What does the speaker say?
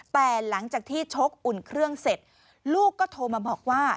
แต่หลังจากที่ชกอุ่นเครื่องเสร็จลูกก็โทรมาบอกว่า